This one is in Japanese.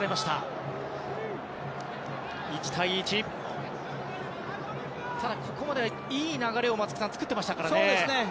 ただ、ここまではいい流れを作っていましたからね。